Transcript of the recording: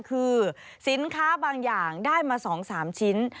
คือสินค้าบางอย่างได้มา๒๓ชิ้น